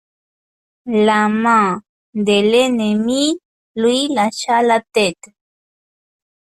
La main de l'ennemi lui lâcha la tête.